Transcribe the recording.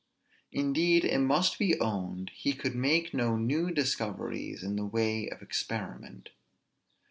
Indeed it must be owned he could make no new discoveries in the way of experiment.